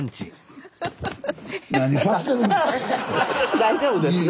大丈夫ですね。